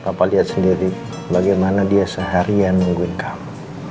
bapak lihat sendiri bagaimana dia seharian nungguin come